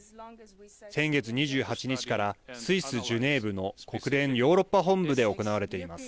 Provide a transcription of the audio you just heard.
先月２８日からスイス、ジュネーブの国連ヨーロッパ本部で行われています。